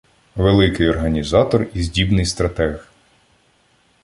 Великий організатор і здібний стратег.